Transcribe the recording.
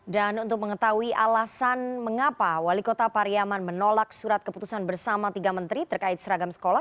dan untuk mengetahui alasan mengapa wali kota pariyaman menolak surat keputusan bersama tiga menteri terkait seragam sekolah